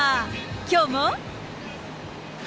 きょうも。